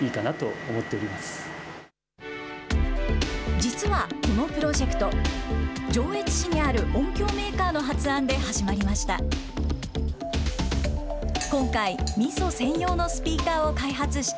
実はこのプロジェクト、上越市にある音響メーカーの発案で始まりました。